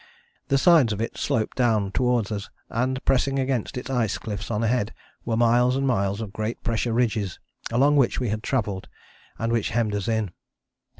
The sides of it sloped down towards us, and pressing against its ice cliffs on ahead were miles and miles of great pressure ridges, along which we had travelled, and which hemmed us in.